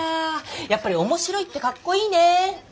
やっぱり面白いってかっこいいね。